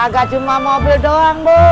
agak cuma mobil doang bu